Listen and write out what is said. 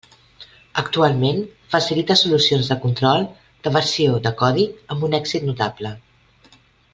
Actualment facilita solucions de control de versió de codi amb un èxit notable.